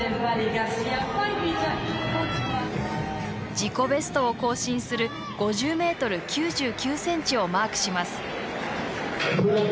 自己ベストを更新する５０ｍ９９ｃｍをマークします。